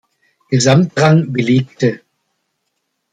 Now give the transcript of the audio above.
Gesamtrang belegte.